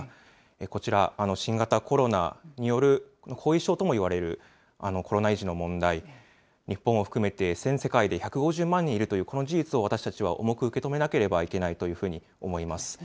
こちら、新型コロナによる後遺症ともいわれるコロナ遺児の問題、日本を含めて全世界で１５０万人いるという、この事実を私たちは重く受け止めなければいけないというふうに思います。